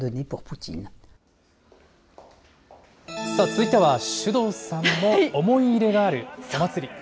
続いては首藤さんも思い入れがあるお祭り。